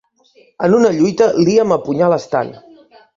En una lluita, Liam apunyala Stan.